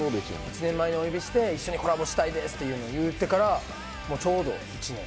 １年前にお呼びして、一緒にコラボしたいですって言ってからちょうど１年。